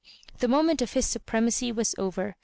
The moment of his supremacy was over.